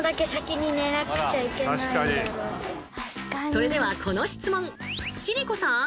それではこの質問千里子さん！